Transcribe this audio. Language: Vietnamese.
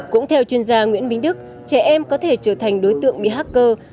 cũng theo chuyên gia nguyễn minh đức trẻ em có thể trở thành đối tượng bị hacker